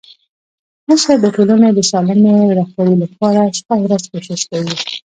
مشر د ټولني د سالمي رهبري لپاره شپه او ورځ کوښښ کوي.